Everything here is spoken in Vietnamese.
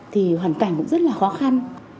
thì hoàn cảnh cũng rất là khó khăn